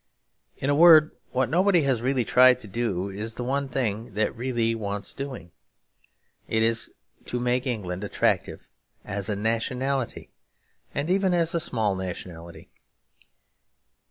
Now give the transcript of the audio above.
In a word, what nobody has really tried to do is the one thing that really wants doing. It is to make England attractive as a nationality, and even as a small nationality.